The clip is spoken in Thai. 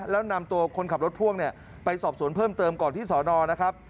แล้วนำตัวคนขับรถพ่วงเนี่ยไปสอบสวนเพิ่มเติมก่อนที่สอนอนะครับ